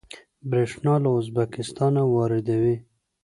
بریښنا له ازبکستان واردوي